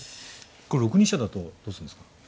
これ６二飛車だとどうすんですか？